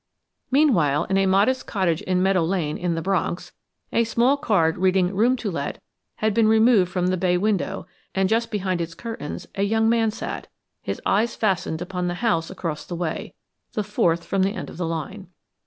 Meanwhile, in a modest cottage in Meadow Lane, in the Bronx, a small card reading "Room to Let" had been removed from the bay window, and just behind its curtains a young man sat, his eyes fastened upon the house across the way the fourth from the end of the line.